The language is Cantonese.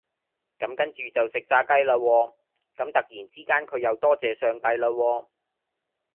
咁跟住就食炸雞啦喎，咁突然之間佢又多謝上帝啦喎